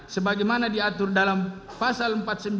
sebagaimana diatur dalam pasal empat puluh sembilan